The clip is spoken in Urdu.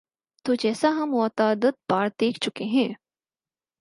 تو جیسا ہم متعدد بار دیکھ چکے ہیں۔